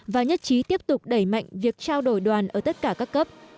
và nhất trí tiếp tục đẩy mạnh việc trao đổi đoàn ở tất cả các cấp